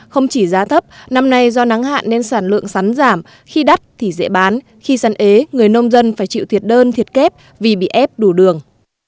không chỉ giá thấp năm nay do nắng hạn nên sản lượng sắn giảm khi đắt thì dễ bán khi săn ế người nông dân phải chịu thiệt đơn thiệt kép vì bị ép đủ đường